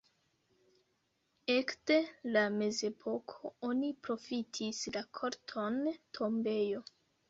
Ekde la mezepoko oni profitis la korton tombejo.